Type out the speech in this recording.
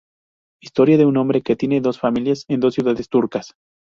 Historia de un hombre que tiene dos familias en dos ciudades turcas.